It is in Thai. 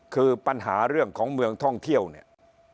คือปัญหาเรื่องของเมืองท่องเที่ยวเนี่ย